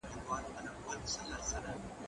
زه مينه نه څرګندوم؟